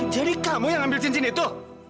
jadi kamu yang ambil cincin itu